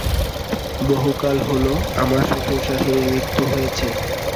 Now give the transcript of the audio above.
বহুকাল হল আমার শ্বশুর-শাশুড়ির মৃত্যু হয়েছে।